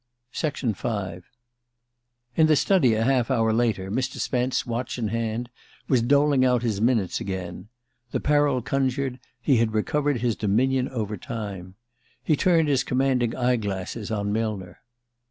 ..." V In the study a half hour later Mr. Spence, watch in hand, was doling out his minutes again. The peril conjured, he had recovered his dominion over time. He turned his commanding eye glasses on Millner.